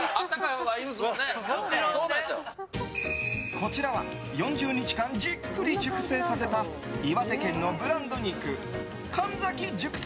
こちらは４０日間じっくり熟成させた岩手県のブランド肉門崎熟成